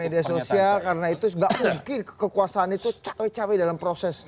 media sosial karena itu tidak mungkin kekuasaan itu capek capek dalam proses